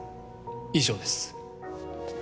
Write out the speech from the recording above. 以上です。